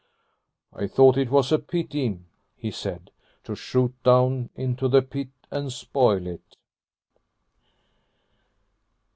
" I thought it was a pity," he said, " to shoot down into the pit and spoil it."